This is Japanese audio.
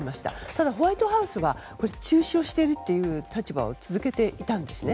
ただホワイトハウスは注視をしている立場を続けていたんですね。